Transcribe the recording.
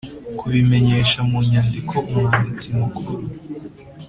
kubimenyesha mu nyandiko Umwanditsi Mukuru